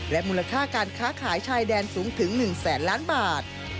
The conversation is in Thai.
มูลค่าการค้าขายชายแดนสูงถึง๑แสนล้านบาท